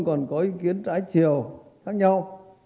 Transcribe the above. còn có ý kiến trái chiều khác nhau